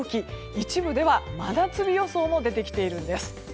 一部では真夏日予想も出てきているんです。